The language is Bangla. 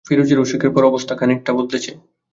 ফিরোজের অসুখের পর অবস্থা খানিকটা বদলেছে।